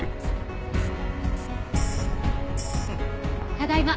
ただいま。